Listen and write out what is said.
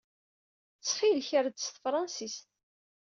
Ttxil-k, err-d s tefṛansist.